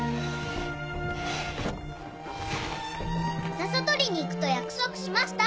笹取りに行くと約束しました！